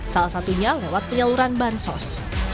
salah satunya lewat penyaluran bansos